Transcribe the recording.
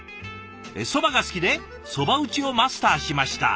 「そばが好きでそば打ちをマスターしました。